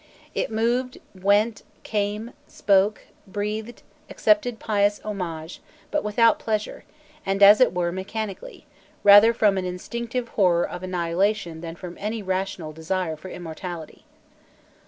It moved, went, came, spoke, breathed, accepted pious homage, but without pleasure, and as it were mechanically, rather from an instinctive horror of annihilation than from any rational desire for immortality.